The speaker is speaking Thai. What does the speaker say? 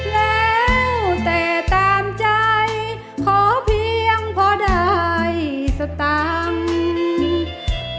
แล้วแต่ตามใจขอเพียงพอได้สตังค์